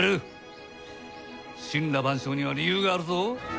森羅万象には理由があるぞ。